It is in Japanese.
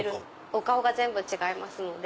お顔が全部違いますので。